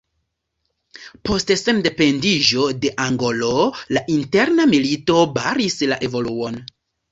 Post sendependiĝo de Angolo la interna milito baris la evoluon.